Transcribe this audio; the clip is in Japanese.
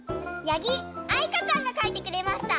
やぎあいかちゃんがかいてくれました。